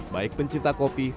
baik pencipta kopi